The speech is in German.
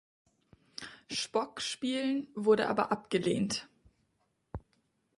Spock" spielen, wurde aber abgelehnt.